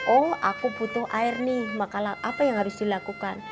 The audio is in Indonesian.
oh aku butuh air nih maka apa yang harus dilakukan